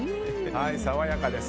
爽やかです。